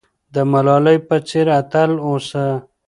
د ملالۍ په څېر اتل اوسه.